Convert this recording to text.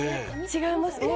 違います。